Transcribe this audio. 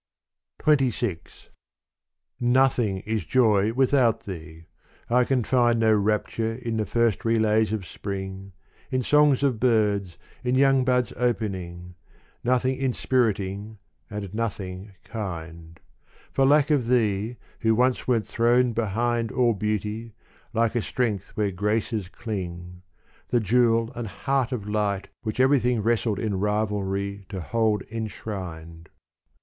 XXVI Nothing is joy without thee : I can find No rapture in the first relays of spring, In songs of birds, in young buds opening, Nothing inspiriting and nothing kind : For lack of thee who once wert throned behind All beauty, like a strength where graces cling : The jewel and heart of light which everything Wrestled in rivalry to hold enshrined.